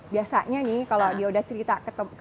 biasanya nih kalau dia udah cerita